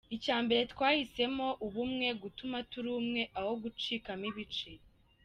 Icya mbere: Twahisemo ubumwe, kuguma turi umwe aho gucikamo ibice.